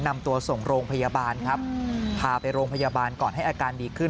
นำตัวส่งโรงพยาบาลครับพาไปโรงพยาบาลก่อนให้อาการดีขึ้น